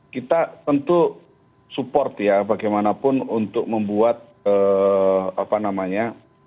kita tentu support ya bagaimanapun untuk membuat apa namanya